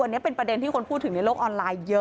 วันนี้เป็นประเด็นที่คนพูดถึงในโลกออนไลน์เยอะ